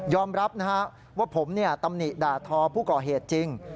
ยอมรับว่าผมตำหนิดาธอผู้ก่อเหตุจริง